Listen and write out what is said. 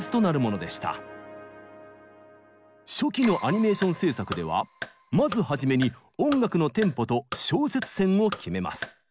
初期のアニメーション制作ではまずはじめに音楽のテンポと小節線を決めます。